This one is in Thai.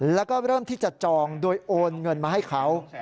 แล้วก็เริ่มที่จะจองโดยโอนเงินมาให้เขา